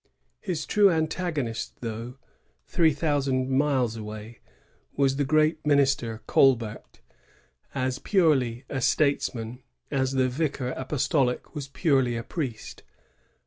His true antagonist, though three thousand miles away, was the great minister Colbert, as purely a statesman as the vicar apostoUo 166 LAVAL AND ARGENSON. [1650 was purely a priest.